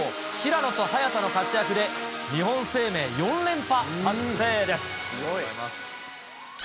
平野と早田の活躍で、日本生命、４連覇達成です。